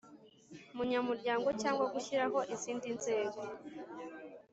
Munyamuryango cyangwa gushyiraho izindi nzego